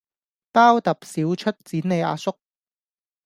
包揼少出剪你阿叔